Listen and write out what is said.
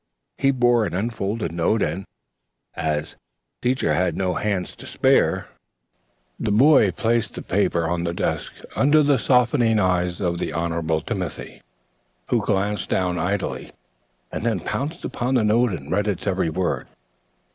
He bore an unfolded note and, as Teacher had no hand to spare, the boy placed the paper on the desk under the softening eyes of the Honorable Timothy, who glanced down idly and then pounced upon the note and read its every word.